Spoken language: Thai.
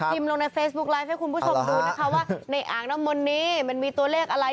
ลงในเฟซบุ๊คไลฟ์ให้คุณผู้ชมดูนะคะว่าในอ่างน้ำมนต์นี้มันมีตัวเลขอะไร